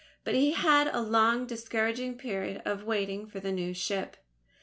But he had a long discouraging period of waiting for the new ship.